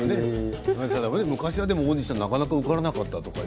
昔はオーディションになかなか受からなかったと。